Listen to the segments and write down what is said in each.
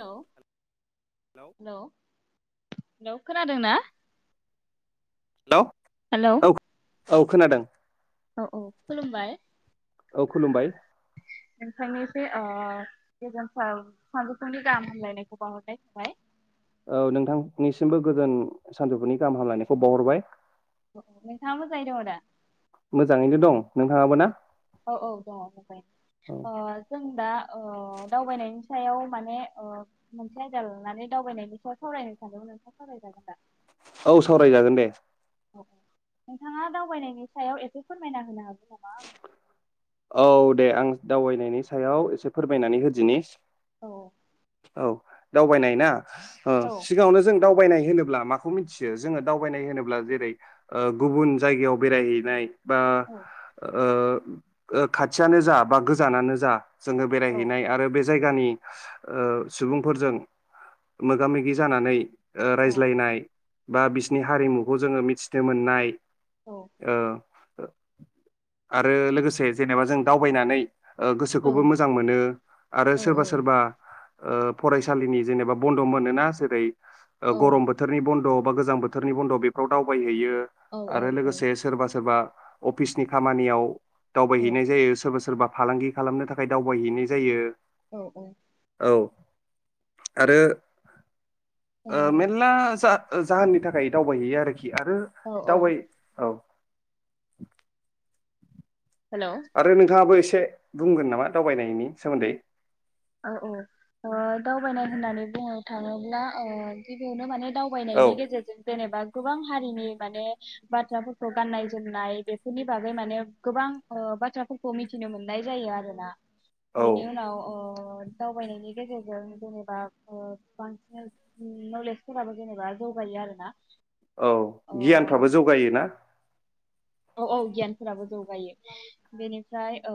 Hello hello hello खोनादों ना? Hello औ। औ खोनादों। औ औ खुलुमबाय। औ खुलुमबाय। नोंथांनिसे ओ गोजोन सानजौफुंनि गाहाम हलायनायखौ बहरनाय थाबाय। औ नोंथांनिसिमबो गोजोन सानजौफुनि गाहाम हामलायनायखौ बावहरबाय। ओ नोंथाङा मोजाङै दङ' दा? मोजाङैनो दं। नोंथाङाबो ना औ औ दंङ' औ मोजांयोय ओ जोंदा ओ दावबायनायनि सायाव सायाव माने ओ मोनसे आयदा लानानै दावबायनायनायनि सायाव सावरायनो सानदोंमोन नोंथाङा सावरायजागोन दा? औ सावरायजागोन दे। औ औ नोंथाङा दावबायनायनि सायाव एसे फोरमायना होनो हागोन नामा आंनो? औ दे आं दावबायनायनि सायाव एसे फोरमायनानै होदिनि। औ। औ दावबायनाय ना? औ सिगाङावनो जों दावबायनाय होनोब्ला माखौ मिथियो जोङो दावबायनाय होनोब्ला जेरै ओ गुबुन जायगायाव बेरायहैनाय बा औ ओ ओ खाथियानो जा बा गोजानानो जा जोङो औ बेरायहैनाय आरो बे जायगानि ओ सुबुंफोरजों मोगा मोगि जानानै ओ औ रायज्लायनाय बा बिसिनि हारिमुखौ जोङो मिथिनो मोननाय औ। ओ आरो लोगोसे जेनेबा जों दावबायनानै ओ औ गोसोखौबो मोजां मोनो आरो औ सोरबा औ सोरबा ओ फरायसालिनि जेनेबा बन्द' मोनोना जेरै गरम बोथोरनि बन्द' बा गोजां बोथोरनि बन्द' बेफ्राव दावबायहैयो। ओ औ आरो लोगोसे सोरबा सोरबा अफिसनि खामानियाव दावबायहैनाय जायो सोरबा सोरबा फालांगि खालामनो थाखाय दावबायहैनाय जायो। औ औ। औ आरो ओ औ मेनला जा ओ जाहोननि थाखाय दावबायहैयो आरोख खि आरो औ औ दावबाय औ। [inaudible] हेलौ आरो नोथांङाबो एसे से बुंगोन नामा दावबायनायनि सोमोन्दै? आ औ ओ दावबायनाय होननानै बुङो थाङोब्ला ओ गिबियावनो माने औ दावबायनायनि गेजेरजों जेनेबा गोबां हारिनि माने बाथ्राफोरखौ गाननाय जोमनाय बेफोरनि बागै माने गोबां ओ बाथ्राफोरखौ मिथिनो मोननाय जायो आरोना। औ बेनि उनाव अ ओ दावबायनायनि गेजेरजों जेनेबा ओ बांसिन नलेजफोराबो जेनेबा जौगायो आरोना। औ ओ गियानफ्राबो जौगायो ना। औ औ गियानफोराबो जौगायो बेनिफ्राय ओ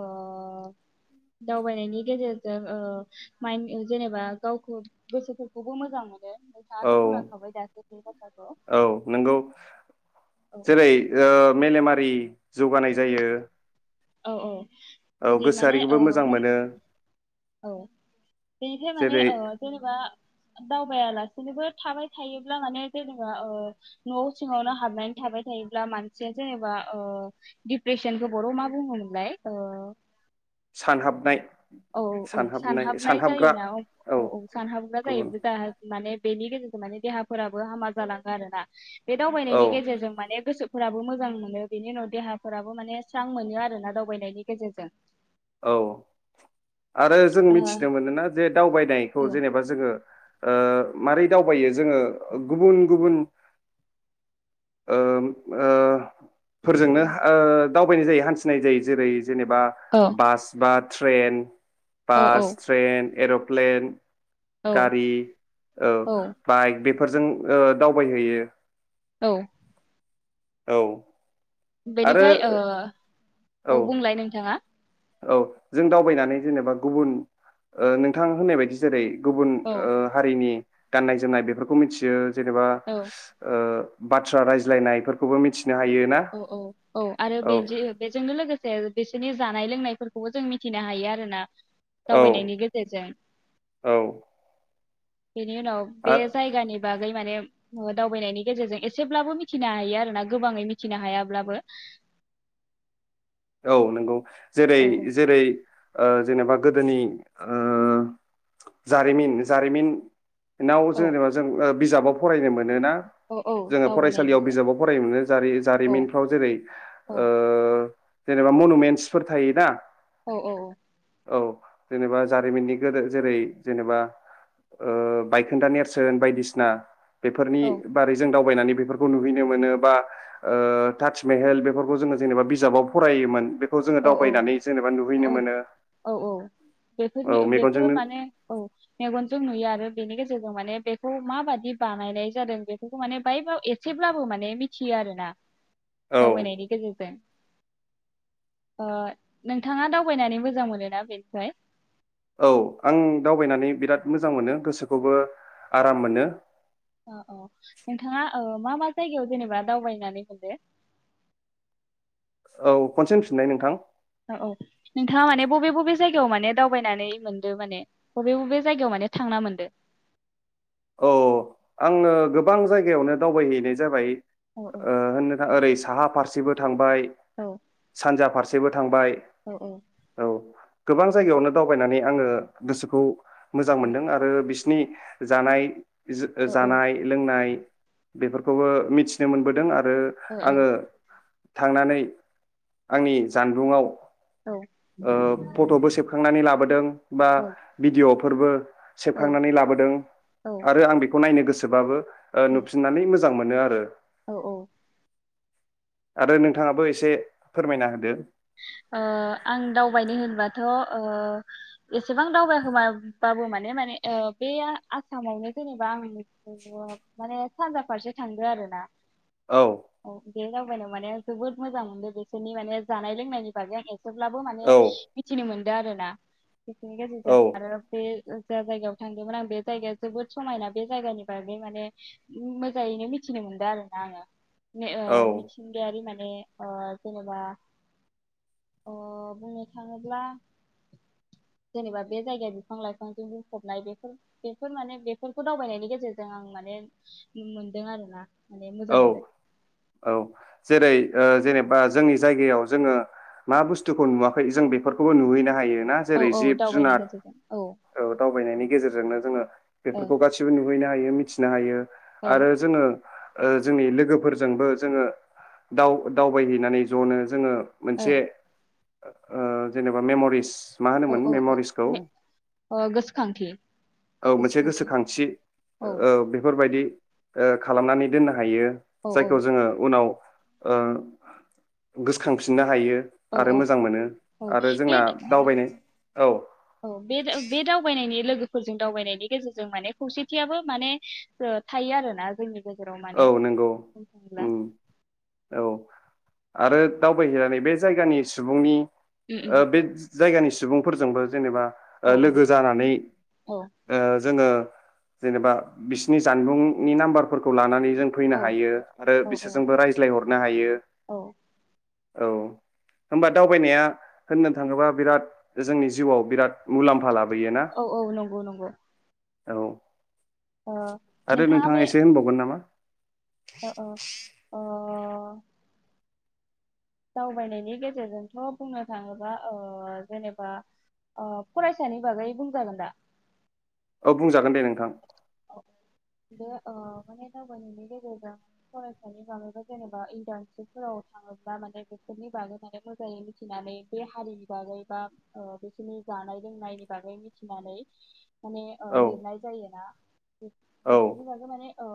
दावबायनायनि गेजेरजों ओ माइन जेनेबा गावखौ गोसोफोरखौबो मोजां औ नोंथाङाथ' बुंलांखाबाय दासो बे बाथ्राखौ औ औ नंगौ औ जेरै ओ मेलेमारि जौगानाय जायो। औ औ। औ जुदि माने गोसोआरिखोबो ओ मोजां मोन मोनो। औ बेनिफ्राय माने जेरै ओ जेनेबा दावबायायालासिनोबो थाबाय थायोब्ला माने जेनेबा ओ, न'आव सिङावनो हाबनानै थाबाय थायोब्ला मानसिया जेनेबा ओ डिप्रेसनखौ बर'आव मा बुङोमोनलाय? ओ सानहाबनाय। औ औ औ सानहाबनाय जायोना? औ औ सानहाबग्रा जायो गुबुन जुदा माने बेनि गेजेरजों माने देहाफोराबो हामा जालाङो आरोना। बे औ दावबायनायनि गेजेरजों माने गोसोफ फोराबो मोजां मोनो बेनि उनाव देहाफोराबो माने स्रां मोनो आरो ना दावबायनायनि गेजेरजों। औ। आरो जों ओ मिथिनो मोनोना जे दावबायनायखौ जेनेबा जोङो ओ मारै दावबायो जोङो गुबुन गुबुन ओ ओ। फोरजोंनो ओ दावबायनाय जायो हान्थिनाय जायो जेरै जेनेबा औ बास बा ट्रेन, औ औ बास, ट्रेन, एर' प्लेन औ गारि औ बाइक बे फोरजों ओ दावबायहैयो। औ। औ। आरो बेनिफ्राय ओ औ बुंलाय नोंथाङा। औ जों दावबायनानै जेनेबा गुबुन ओ नोंथाङा होननाय बायदि जेरै गुबुन औ ओ हारिनि गाननाय जोमनाय बेफोरखौ मिथियो जेनेबा औ ओ बाथ्रा रायज्लायनायफोरखौबो मिथि औ औ औ आरो बे जो बेजोंनो लोगोसे बिसोरनि जानाय लोंनायफोरखौबो जों मिथिनो हायो आरोना। औ दावबायनायनि गेजेरजों। औ बेनि उनाव बे आ जायगानि बागै माने दावबायनायनि गेजेरजों एसेब्लाबो मिथिनो हायो आरोना गोबाङै मिथिनो हायाब्लाबो औ नोंगौ। जेरै औ जेरै ओ जेनेबा गोदोनि ओ जारिमिन जारिमिन नाव औ जेनेबा जों ओ बिजाबाव फरायनो मोनोना औ औ जोङो दावबायनायनि फरायसालियाव बागै बिजाबाव फरायनो मोनो औ जारि-जारिमिनफ्राव जेरै औ ओ जेनेबा मनुमेन्टसफोर थायो ना औ औ। औ जेनेबा जारिमिननि गोदो जेरै जेनेबा ओ बायखोन्दा नेरसोन बायदिसिना बेफोरनि औ बारै जों दाउ दावबायनानै बेफोरखौ नुहैनो मोनो बा ओ ताजमेहेल बेफोरखौ जोङो जेनेबा बिजाबाव फरायोमोन बे औ औ औ औ औ बेफोरनि औ बेफोर मेगनजोंनो माने औ मेगनजों नुयो आरो बेनि गेजेरजों माने बेखौ माबादि बानायनाय जादों बेफोरखौ माने बायबाव एसेब्लाबो माने मिथियो आरोना। औ दावबायनायनि गेजेरजों। ओ नोंथाङा दावबायनानै मोजां मोनोना बेनिफ्राय औ आं दावबायनानै बिराद मोजां मोनो गोसोखौबो आराम मोनो। औ औ ओ नोंथाङा मा मा जायगायाव जेनेबा दावबायनानै मोनदो? औ खनसे होन फिननाय नोंथां। औ औ नोंथाङा माने बबे बबे जायगायाव माने दावबायनानै मोनदो माने बबे बबे जायगायाव माने थांना मोनदो? औ आङो गोबां जायगायावनो दावबायहैनाय जाबाय। औ औ ओ होननोथां ओरै साहा फारसेबो थांबाय। सानजा फार थांबाय औ औ गोबां जायगायावनो दावबायनानै आङो गोसोखौ मोजां औ मोनदों आरो बि स्नि जानाय औ जानाय लोंनाय बेफोरखौबो मिथिनो मोनबोदों आ रो औ आङो थांनानै आंनि जानबुंआव औ ओ फट'बो सेबखांनानै लाबोदों बा औ भिडिअ फोरबो औ सेबखांनानै लाबोदों आरो आं बेखौ नायनो गोसोबाबो ओ नुफिनानै मो जां मोनो आरो औ औ आरो नोंथाङाबो एसे फोरमायना होदो। ओ आं दावबायनो होनबाथ' ओ एसेबां दावबायखोमाबाबो माने माने ओ बे आसामावनो जेनेबा आं माने ओ सानजा फारसे थांगो आरोना। औ औ बे दावबायनायाव माने जोबोद मोजां मोनदों बिसोरनि माने जानाय लोंनायनि बागै आंङो ब्लाबो माने औ मिथिनो मोन दो आरोना [unintelligible] गेजेरजों औ आरो बे जा जायगायाव थांदोंमोन आं बे जायगाया जोबोद समायना बे जायगानि बागै माने मोजांङैनो मिथिनो मोनदों आरो ना आंङो। ने औ आरो मिथिंगायारि मान ए ओ जेनेबा अ बुंनो थांङोब्ला जेनेबा बे जायगाया बिफां लाइफांजों बुंफबनाय बेफोर बेफोर माने बेफोरखौ दावबायनायनि गेजेरजों आं माने मोनदों आरोना। माने मोजां मोनदों औ औ जेरै ओ जेनेबा जोंनि जायगायाव जोंङो मा बुस्थुखौ नुवाखै जों बेफोरखौबो नुहैनो हायो। ना औ जेरै औ जिब दावबायनायनि जुनार गेजेरजों औ दावबायनायनि गेजेरजोंनो जोंङो औ बेफोरखौ गासिबो नुहैनो हायो। मि थिनो हायो। औ आरो जोङो जोंनि लोगोफोरजोंबो जोङो दाव-दावबायहैनानै जनो जोंङो औ मोनसे ओ जेनेबा मेम'रिस मा औ होनोमोन औ औ मेमरिसखौ मे- अ गोसोखांथि औ मोनसे गोसोखांथि औ ओ बेफोरबायदि बिदि खालामनानै दोननो हायो। औ जायखौ जोंङो उनाव ओ गोसोखांफिननो हायो। औ आरो औ मोजां मोनो औ आरो बे जोंना दावबायनाय औ औ बे दावबायनायनि फोरजों दावबायनायनि गेजेरजों माने खौसेथियाबो माने थायो आरोना जोंनि गेजेराव माने औ नंगौ बुंनो थाङोब्ला औ। आरो दावबायहैनानै बे जायगानि सुबुंनि उम ओ उम बे जायगानिस सुबुंफोरजोंबो जेनेबा औ औ लोगो जानानै औ ओ जोंङो जेनेबा बिसिनि जानबुंनि नाम्बारफोरखौ खौ लानानै जों फैनो औ हायो आरो औ बिसोरजोंबो रायज्लायहरनो हायो। औ औ होनबा दावबायनाया होननो थाङोबा बिराद जोंनि जिउआव बिराद मुलाम्फा लाबो औ औ नंगौ नंगौ। औ। अ आरो नोंथांहा नोंथाङा बे एसे [unintelligible] अ अ। दावबायनायनि गेजेरजोंथ' बुंनो थाङोबा अ जेनेबा अ फरायसानि बागै बुंजागोन दा औ बुंजागोन दे नोंथां। औ बे माने दावबायनायनि गेजेरजों फरायसानि बागै बा जेनेबा इन्टार्नसिटफोराव थाङोब्ला माने बेफोरनि बागै माने मोजाङै मिथिनानै बे हारिनि बागै बा ओ बिसोरनि जानाय लोंनायनि बागै मिथिनानै माने ओ औ लिरनाय जायोना औ बेफोरनि बागै माने ओ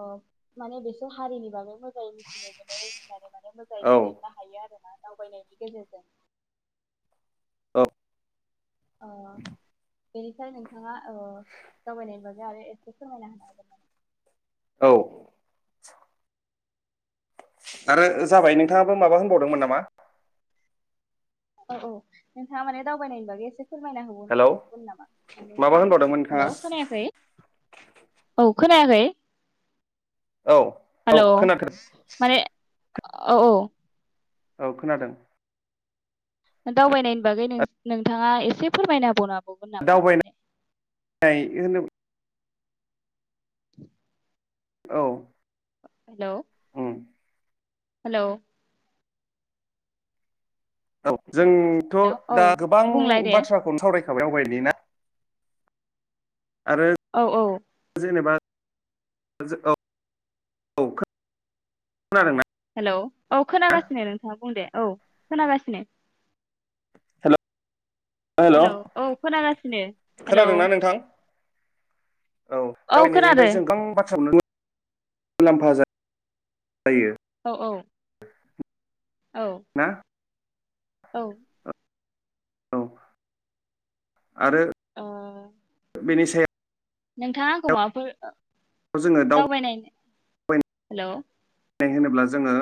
माने बेसोर हारिनि बागै मोजाङै मिथिनो मोनो मिथि आरो माने औ मोजाङै लिरनो हायो आरो। दावबायनायनि गेजेरजों औ ओ बेनिखाय नोंथाङा ओ दावबायनायनि बागै आरो एसे फोरमायना होनो हागोन नामा? औ आरो जाबाय नोंथाङाबो माबा होनबावदोंमोन नामा? औ औ नोंथाङा माने दावबायनायनि बागै एसे फोरमायना होनो हेलौ हाबावगोन नामा माने माबा होनबावदोंमोन नोंथाङा हेल' खोनायाखै। औ खोनायाखै। औ औ हेलौ खोनाथार माने औ औ। औ खोनादों। दावबायनायनि बागै नों नोंथाङा एसे फोरमायनो होबावनो हाबावगोन नामा माने दावबायनाय होनो औ। हेलौ। उम। हेलौ औ। हेलौ जोंथ' औ दा गोबां बुंलाय दे बाथ्राखौनो सावराय [unintelligible] आरो औ औ जेनेबा औ [unintelligible] हेलौ औ खोनागासिनो नोंथाङा बुं दे। औ खोनागासिनो। हेलौ हेल' हेलौ औ खोनागासिनो हेलौ। खोनादोंना नोंथां औ दावायनायनिफ्राय जों गोबां बाथ्राखौ नुनो मुलाम्फा जायो। औ औ। औ ना। औ। औ आरो ओ बेनि सायाव नोंथाङा आंखौ माबाफोर जोङो दावबाय दावबायनाय हेलौ नाय होनोब्ला जोङो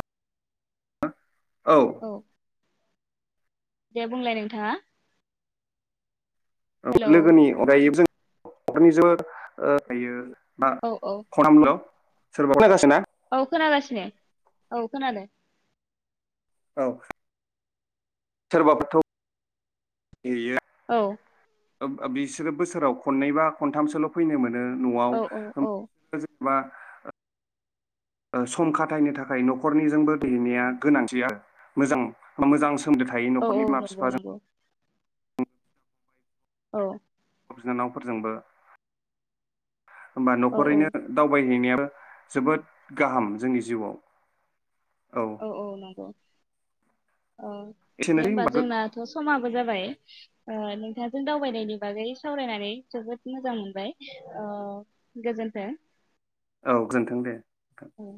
औ। दे बुंलाय नोंथाङा। ओ हेलौ लोगोनि अनगायै जों [unintelligible] मा औ औ खलामदो। सोरबा खोनागासिना? औ खोनागासिनो औ खोनादों। औ सोरबाफोरथ' गियो औ अब अ बिसोरो बोसोराव खननै बा खनथामसोल' फैनो मोनो न'आव औ औ औ बिसोरो जेनेबा [inaudible] सम खाथायनो थाखाय न'खरनिजोंबो दैहैनाया गोनांथि आरो मोजां-मोजां सोमोनदो थायो औ न'खरनि औ बिमा नंगौ बिफाजों नंगौ औ बिनानावफोरजोंबो होमबा औ न'खरैनो औ दावबायहैनाया जोबोद गाहाम जोंनि जिउआव औ औ नंगौ औ दे एसेनोसै होमबा होनबा जोंनाथ' समाबो जाबाय अ नोंथांजों दावबायनायनि बागै सावरायनानै जोबोद मोजां मोनबाय अ गोजोन्थों। औ गोजोनथों दे नोंथां औ।